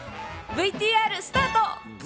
ＶＴＲスタート！